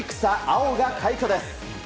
碧皇が快挙です。